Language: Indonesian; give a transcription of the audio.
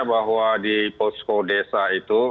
bahwa di posko desa itu